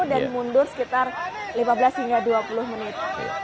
dan mundur sekitar lima belas hingga dua puluh menit